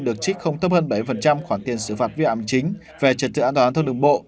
được trích không thấp hơn bảy khoản tiền xử phạt viên ảm chính về trật tự an toàn giao thông đường bộ